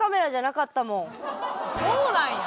そうなんや？